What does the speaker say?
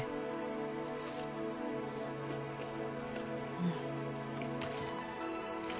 うん。